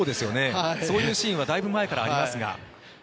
そういうシーンはだいぶ前からありますが。